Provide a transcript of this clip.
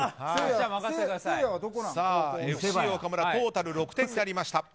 ＦＣ岡村トータル６点となりました。